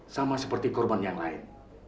sama seperti korban yang lain